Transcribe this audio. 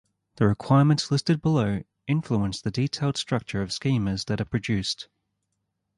The requirements listed below influence the detailed structure of schemas that are produced.